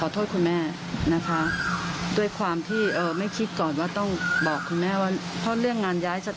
ที่ค้างไว้ห้าสิบเปอร์เซ็นต์